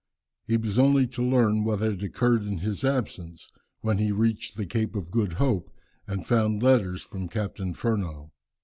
He was only to learn what had occurred in his absence, when he reached the Cape of Good Hope, and found letters from Captain Furneaux.